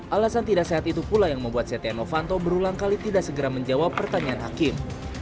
alasan tidak sehat itu pula yang membuat setia novanto berulang kali tidak segera menjawab pertanyaan hakim